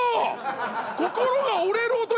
心が折れる音